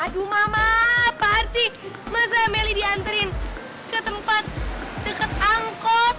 aduh mama apaan sih masa meli dianterin ke tempat deket angkot